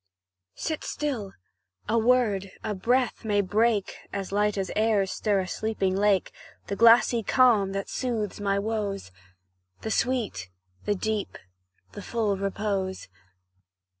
Sit still a word a breath may break (As light airs stir a sleeping lake) The glassy calm that soothes my woes The sweet, the deep, the full repose.